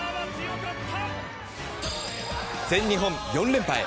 全日本４連覇へ。